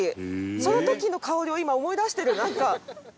その時の香りを今思い出してるなんか。